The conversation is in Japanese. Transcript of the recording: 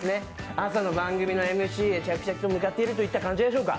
朝の番組のＭＣへ着々と向かってるという感じでしょうか。